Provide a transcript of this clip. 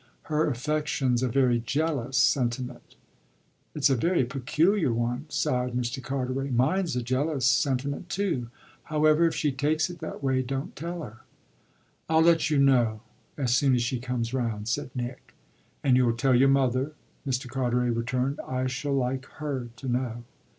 Her affection's a very jealous sentiment." "It's a very peculiar one!" sighed Mr. Carteret. "Mine's a jealous sentiment too. However, if she takes it that way don't tell her." "I'll let you know as soon as she comes round," said Nick. "And you'll tell your mother," Mr. Carteret returned. "I shall like her to know."